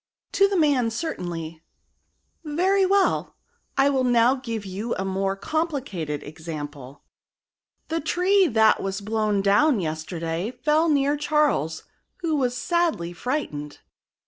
" To the man, certainly," Very well ; I will now give you a more complicated example. The tree that was blown down yesterday fell near Charles, who was sadly frightened."